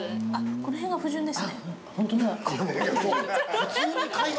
「この辺が不純です」